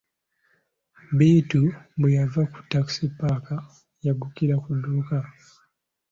Bittu bwe yava mu takisi paaka yaggukira ku dduuka